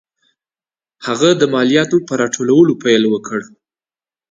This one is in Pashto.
هغه د مالیاتو په راټولولو پیل وکړ.